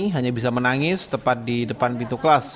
hanya bisa menangis tepat di depan pintu kelas